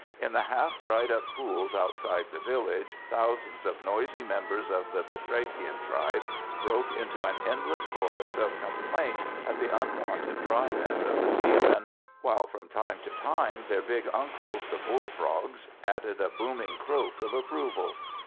In the half dried up pools outside the village thousands of noisy members of the batrachian tribe broke into an endless chorus of complaint at the unwonted dryness of the season, while from time to time their big uncles, the bull frogs, added a booming croak of approval.